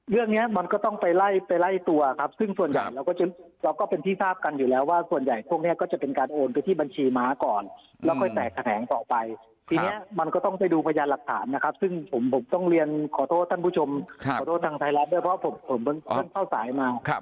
เรื่องนี้มันก็ต้องไปไล่ไปไล่ตัวครับซึ่งส่วนใหญ่เราก็จะเราก็เป็นที่ทราบกันอยู่แล้วว่าส่วนใหญ่พวกนี้ก็จะเป็นการโอนไปที่บัญชีม้าก่อนแล้วค่อยแตกแถลงต่อไปทีนี้มันก็ต้องไปดูพยานหลักฐานนะครับซึ่งผมต้องเรียนขอโทษท่านผู้ชมขอโทษทางไทยรัฐด้วยเพราะผมเพิ่งเข้าสายมา